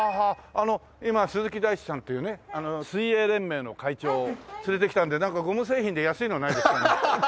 あの今鈴木大地さんというね水泳連盟の会長を連れてきたんでなんかゴム製品で安いのはないですかね？